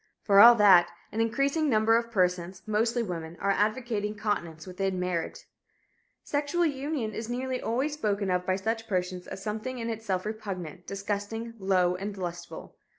For all that, an increasing number of persons, mostly women, are advocating continence within marriage. Sexual union is nearly always spoken of by such persons as something in itself repugnant, disgusting, low and lustful.